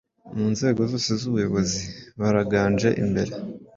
Mu nzego zose z’ubuyobozi baraganje imbere;